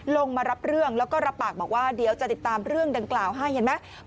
ลงมารับเรื่องแล้วก็รับปากบอกว่าเดี๋ยวจะติดตามเรื่องดังกล่าวให้เห็นไหม